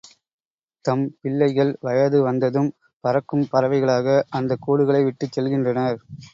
தம் பிள்ளைகள் வயது வந்ததும் பறக்கும் பறவைகளாக, அந்தக் கூடுகளை விட்டுச் செல்கின்றனர்.